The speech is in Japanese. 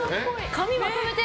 髪まとめて。